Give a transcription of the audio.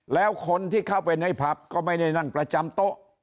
แล้วคนที่เข้าไปในผับก็ไม่ได้นั่งประจำโต๊ะ